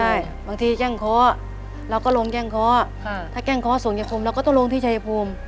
ใช่บางทีแกล้งเค้าแล้วก็ลงแกล้งเค้าถ้าแกล้งเค้าส่งยักษ์ภูมิแล้วก็ต้องลงที่ชายภูมิ